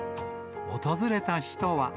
訪れた人は。